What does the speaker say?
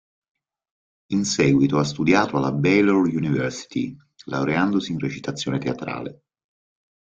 In seguito ha studiato alla Baylor University, laureandosi in recitazione teatrale.